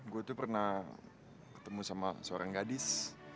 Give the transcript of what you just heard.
gue tuh pernah ketemu sama seorang gadis